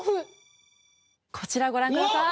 こちらをご覧ください。